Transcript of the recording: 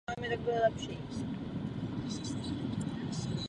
Jedná se o druhy původně společného areálu obývající nyní dva a více různých areálů.